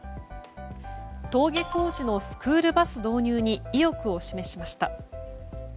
登下校時のスクールバス導入に意欲を示しました。